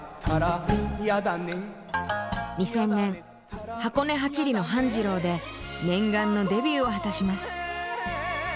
２０００年「箱根八里の半次郎」で念願のデビューを果たします。